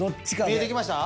見えてきました？